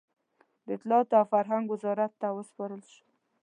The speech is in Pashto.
د اطلاعاتو او فرهنګ وزارت ته وسپارل شوه.